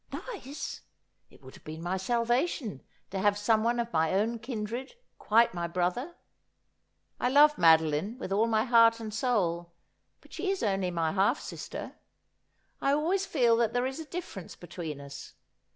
' Nice ! It would have been my salvation, to have someone of my own kindred, quite my brother. I love Madolina, with all my heart and soul ; but she is only my half sister. I always feel that there is a difference between us.